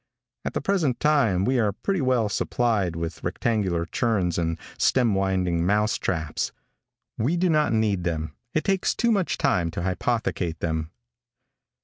At the present time we are pretty well supplied with rectangular churns and stem winding mouse traps. We do not need them, It takes too much time to hypothecate them.